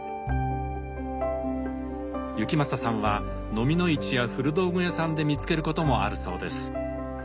行正さんは蚤の市や古道具屋さんで見つけることもあるそうです。